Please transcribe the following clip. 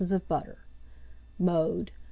of butter. Mode.